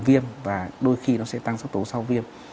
viêm và đôi khi nó sẽ tăng sốc tố sau viêm